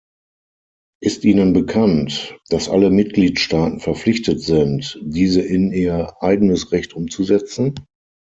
Ist ihnen bekannt, dass alle Mitgliedstaaten verpflichtet sind, diese in ihr eigenes Recht umzusetzen?